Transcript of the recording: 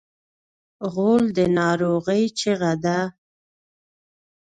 غول د ناروغۍ چیغه ده.